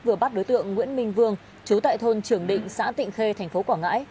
vừa bắt đối tượng nguyễn minh vương chú tại thôn trường định xã tịnh khê thành phố quảng ngãi